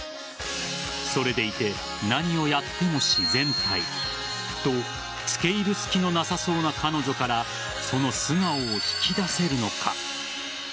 それでいて何をやっても自然体と、付け入る隙のなさそうな彼女からその素顔を引き出せるのか。